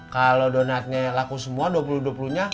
kalau donatnya laku semua dua puluh dua puluh nya